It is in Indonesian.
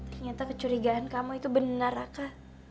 ternyata kecurigaan kamu itu benar raka